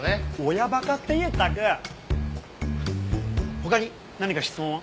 他に何か質問は？